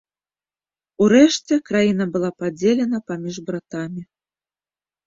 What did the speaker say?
Урэшце, краіна была падзелена паміж братамі.